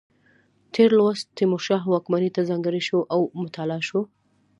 تېر لوست تیمورشاه واکمنۍ ته ځانګړی شوی و او مطالعه شو.